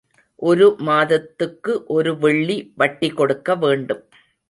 ஒரு மாதத்துக்கு ஒரு வெள்ளிவட்டி கொடுக்க வேண்டும்.